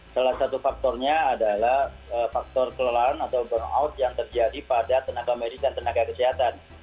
salah satu faktornya adalah faktor kelelahan atau burnout yang terjadi pada tenaga medis dan tenaga kesehatan